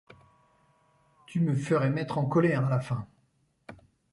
Tu me ferais mettre en colère, à la fin!